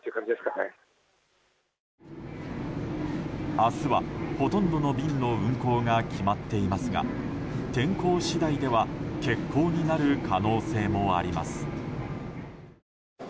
明日は、ほとんどの便の運航が決まっていますが天候次第では欠航になる可能性もあります。